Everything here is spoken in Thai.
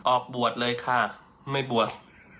ออกบวชเลยค่ะไม่บวช